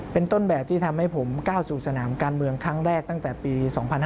เป็นต้นแบบที่ทำให้ผมก้าวสู่สนามการเมืองครั้งแรกตั้งแต่ปี๒๕๕๙